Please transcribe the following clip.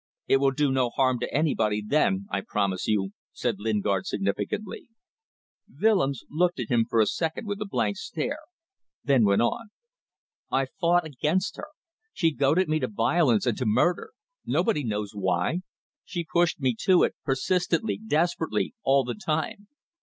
"It will do no harm to anybody then, I promise you," said Lingard, significantly. Willems looked at him for a second with a blank stare, then went on "I fought against her. She goaded me to violence and to murder. Nobody knows why. She pushed me to it persistently, desperately, all the time.